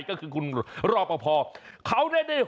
ก็คือคุณรอบพ่อเขาเนี่ยได้